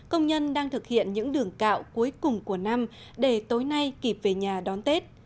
công nhân đang thực hiện những đường cạo cuối cùng của năm để tối nay kịp về nhà đón tết